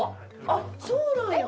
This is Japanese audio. あっそうなんや。